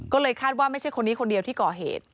ก็เลยคาดว่าไม่ใช่คนนี้คนเดียวที่ก่อเหตุ